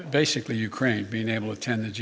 bahkan ukraina bisa menghadiri pertemuan g dua puluh